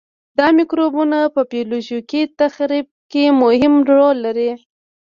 دا مکروبونه په بیولوژیکي تخریب کې مهم رول لري.